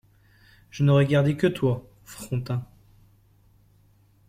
Je n’aurais gardé que toi, Frontin.